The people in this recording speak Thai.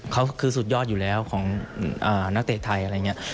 เขาคือสุดยอดอยู่แล้วของนักเตะไทยอะไรอย่างนี้